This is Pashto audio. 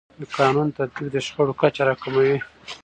د قانون تطبیق د شخړو کچه راکموي.